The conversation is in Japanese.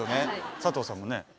佐藤さんもね